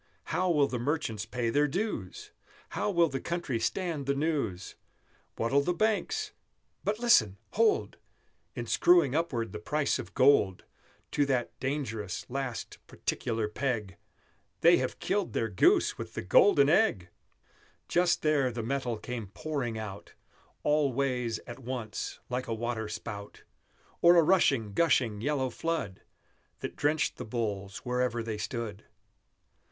How will the merchants pay their dues? How will the country stand the news? What'll the banks but listen! hold! In screwing upward the price of gold To that dangerous, last, particular peg, They have killed their Goose with the Golden Egg! Just there the metal came pouring out, All ways at once, like a water spout, Or a rushing, gushing, yellow flood, That drenched the bulls wherever they stood!